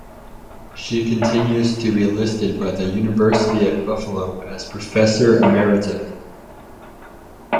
She continues to be listed by the University at Buffalo as professor emerita.